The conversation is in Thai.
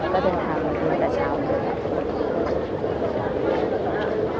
ก็เป็นทางของภูมิตะเช้านี้ค่ะ